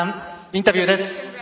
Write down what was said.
インタビューです。